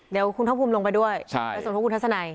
เดี๋ยวคุณภาคภูมิลงไปด้วยไปส่งทุกคุณทัศนัย